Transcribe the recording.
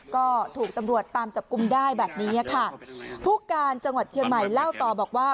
ก็ถูกตำรวจตามจับกลุ่มได้แบบนี้ค่ะผู้การจังหวัดเชียงใหม่เล่าต่อบอกว่า